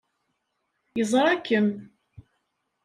Yeẓra-kem.